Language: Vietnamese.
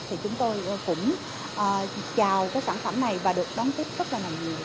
thì chúng tôi cũng chào cái sản phẩm này và được đón tiếp rất là nhiều